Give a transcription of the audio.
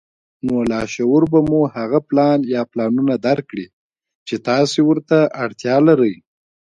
نو لاشعور به مو هغه پلان يا پلانونه درکړي چې تاسې ورته اړتيا لرئ.